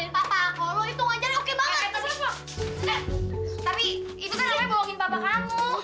sampai jumpa lagi